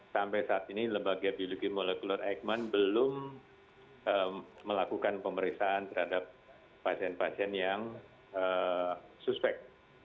sampai saat ini lembaga biologi molekuler eijkman belum melakukan pemeriksaan terhadap pasien pasien yang suspek